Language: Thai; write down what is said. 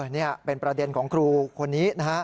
นี่เป็นประเด็นของครูคนนี้นะฮะ